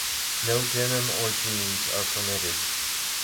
No denim or jeans are permitted.